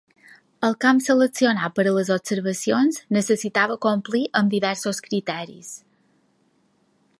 El camp seleccionat per a les observacions necessitava complir amb diversos criteris.